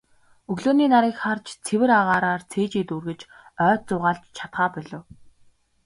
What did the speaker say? Өглөөний нарыг харж, цэвэр агаараар цээжээ дүүргэж, ойд зугаалж чадахаа болив.